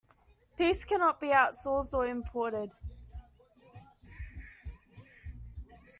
Peace cannot be outsourced or imported.